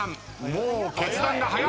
もう決断が早い。